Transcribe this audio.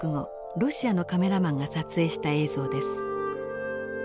ロシアのカメラマンが撮影した映像です。